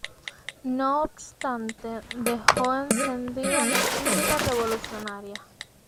No obstante, dejó encendida la chispa revolucionaria.